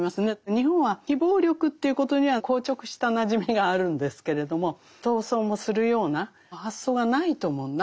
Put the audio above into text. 日本は非暴力ということには硬直したなじみがあるんですけれども闘争もするような発想がないと思うなかったと思うんです今までね。